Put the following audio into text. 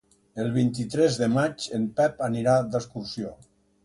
El vint-i-tres de maig en Pep anirà d'excursió.